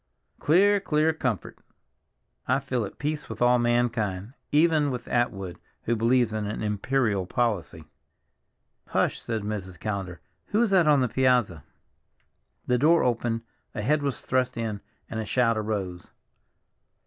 "Clear, clear comfort!" "I feel at peace with all mankind—even with Atwood, who believes in an imperial policy." "Hush," said Mrs. Callender, "who is that on the piazza?" The door opened, a head was thrust in, and a shout arose.